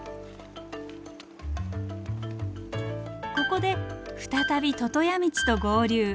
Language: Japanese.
ここで再び魚屋道と合流。